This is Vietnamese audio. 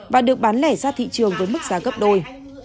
và được bán lẻ ra thị trường với mức giá gấp đôi